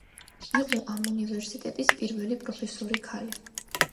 იყო ამ უნივერსიტეტის პირველი პროფესორი ქალი.